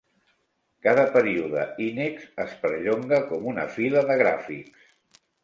Cada període Inex es perllonga com una fila de gràfics.